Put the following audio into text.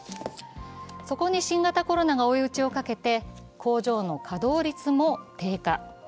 そこに新型コロナが追い打ちをかけて工場の稼働率も低下。